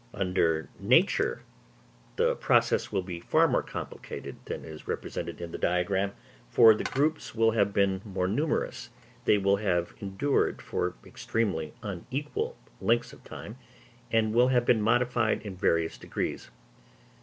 Under nature the process will be far more complicated than is represented in the diagram; for the groups will have been more numerous; they will have endured for extremely unequal lengths of time, and will have been modified in various degrees.